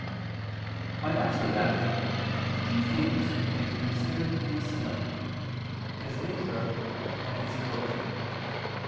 I answer that, Two things may be considered in the sinner: his nature and his guilt.